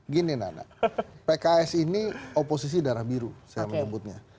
gini nana pks ini oposisi darah biru saya menyebutnya